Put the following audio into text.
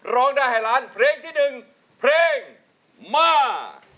ร้องได้ให้ล้านเพลงที่๑เพลงมา